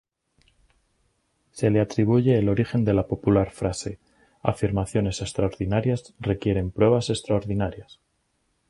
Se le atribuye el origen de la popular frase "afirmaciones extraordinarias requieren pruebas extraordinarias".